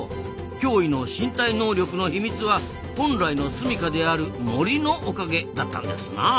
驚異の身体能力の秘密は本来のすみかである森のおかげだったんですな。